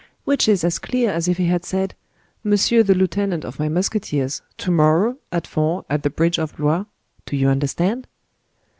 Which is as clear as if he had said,—'Monsieur the lieutenant of my musketeers, to morrow, at four, at the bridge of Blois,—do you understand?